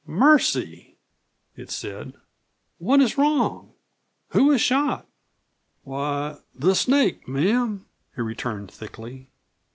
"Mercy!" it said. "What is wrong? Who is shot?" "Why, the snake, ma'am," he returned thickly.